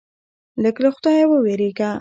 لږ له خدایه ووېرېږه.